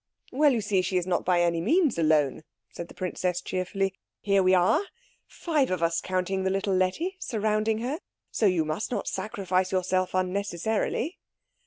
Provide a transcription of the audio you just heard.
"Well, you see she is not by any means alone," said the princess cheerfully. "Here we are, five of us counting the little Letty, surrounding her. So you must not sacrifice yourself unnecessarily."